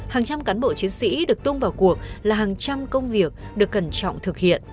hàng trăm cán bộ chiến sĩ được tung vào cuộc là hàng trăm công việc được cẩn trọng thực hiện